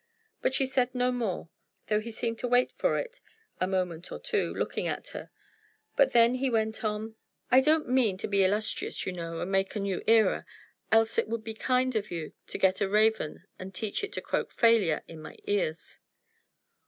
But she said no more, though he seemed to wait for it a moment or two, looking at her. But then he went on "I don't mean to be illustrious, you know, and make a new era, else it would be kind of you to get a raven and teach it to croak 'failure' in my ears.